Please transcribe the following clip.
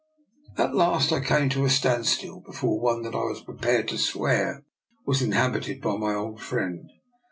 At last I came to a standstill before one that I was prepared to swear was inhabited by my old friend.